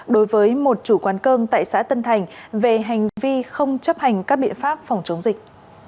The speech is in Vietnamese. đối với một chủ quán cơm tại xã tân thành về hành vi không chấp hành các biện pháp phòng chống dịch